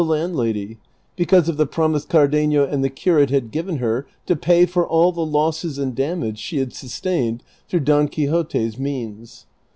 817 landlady, because of the promise Cardenio and the curate had given her to pay for all the losses and damage she had sus tained through Don Quixote's means.